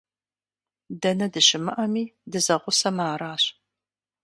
Дэнэ дыщымыӀэми, дызэгъусэмэ аращ.